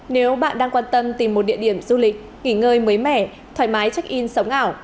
nếu bạn đang quan tâm tìm một địa điểm du lịch nghỉ ngơi mới mẻ thoải mái check in sống ảo